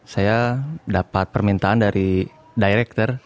saya dapat permintaan dari director